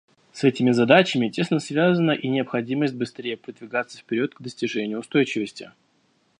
С этими задачами тесно связана и необходимость быстрее продвигаться вперед к достижению устойчивости.